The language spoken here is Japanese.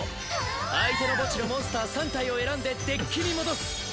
相手の墓地のモンスター３体を選んでデッキに戻す。